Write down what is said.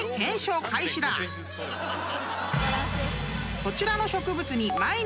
［こちらの植物に毎日］